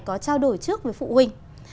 có trao đổi trước với phụ huynh